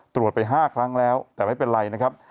ตรวจไป๕ครั้งแล้วแต่ไม่เป็นไรนะครับ